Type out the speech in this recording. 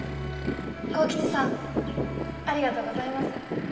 幸吉さんありがとうございます。